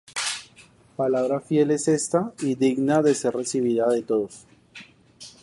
Palabra fiel es esta, y digna de ser recibida de todos.